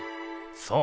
そう。